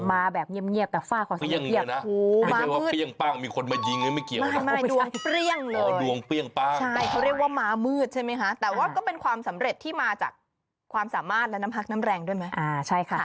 มาแบบเงียบแบบฝ้าความสำเร็จ